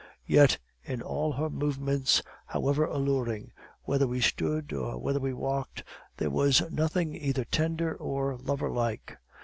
Yet in all her movements, however alluring, whether we stood or whether we walked, there was nothing either tender or lover like.